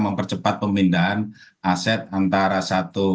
mempercepat pemindahan aset antara satu